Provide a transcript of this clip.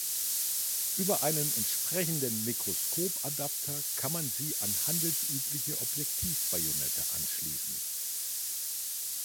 Über einen entsprechenden Mikroskop-Adapter kann man sie an handelsübliche Objektiv-Bajonette anschließen.